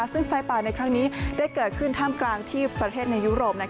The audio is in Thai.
ซึ่งไฟป่าในครั้งนี้ได้เกิดขึ้นท่ามกลางที่ประเทศในยุโรป